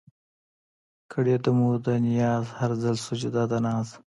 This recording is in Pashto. کړېده مو ده نياز هر ځای سجده د ناز